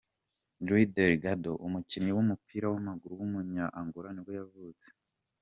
Luís Delgado, umukinnyi w’umupira w’amaguru w’umunya Angola nibwo yavutse.